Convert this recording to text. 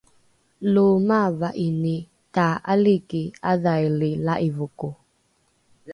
lo maava’ini ta’aliki ’adhaili la’ivoko